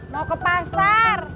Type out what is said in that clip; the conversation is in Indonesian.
mau ke pasar